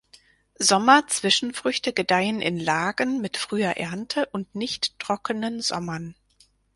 Sommer-Zwischenfrüchte gedeihen in Lagen mit früher Ernte und nicht trockenen Sommern.